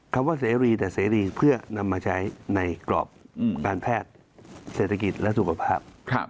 คำว่าเสรีแต่เสรีเพื่อนำมาใช้ในกรอบการแพทย์เศรษฐกิจและสุขภาพ